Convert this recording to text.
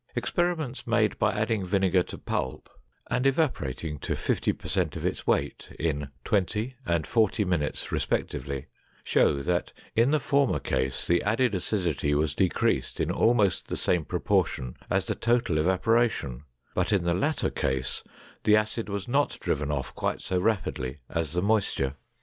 Experiments made by adding vinegar to pulp and evaporating to fifty per cent of its weight in twenty and forty minutes, respectively, show that in the former case the added acidity was decreased in almost the same proportion as the total evaporation, but in the latter case the acid was not driven off quite so rapidly as the moisture.